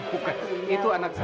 bukan itu anak saya